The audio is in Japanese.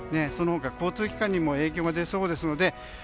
その他、交通機関にも影響が出そうです。